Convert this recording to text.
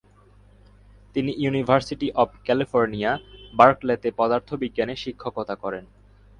তিনি university of California, বার্কলেতে পদার্থবিজ্ঞানে শিক্ষকতা করেন।